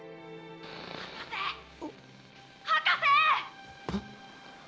「博士博士！」。